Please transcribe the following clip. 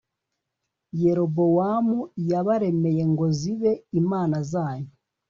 Yerobowamu yabaremeye ngo zibe imana zanyu